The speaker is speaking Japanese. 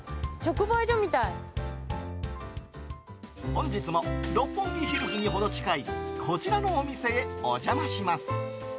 本日も、六本木ヒルズに程近いこちらのお店へお邪魔します。